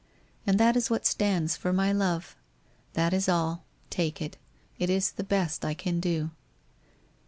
And that is what stands for My Love. That is all. Take it. It is the best I can do.